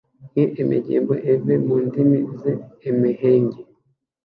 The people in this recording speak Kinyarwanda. Nk’emegembo eve mu ndimi z’emehenge